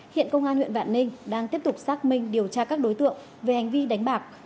hiện công an huyện vạn ninh đang tiếp tục xác minh điều tra các đối tượng về hành vi đánh bạc